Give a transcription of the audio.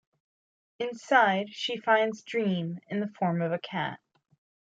Inside, she finds Dream in the form of a cat.